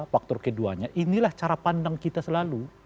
faktor keduanya inilah cara pandang kita selalu